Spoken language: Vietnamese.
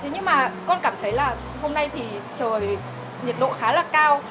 thế nhưng mà con cảm thấy là hôm nay thì trời nhiệt độ khá là cao